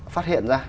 phát hiện ra